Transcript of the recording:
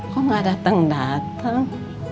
kok gak dateng dateng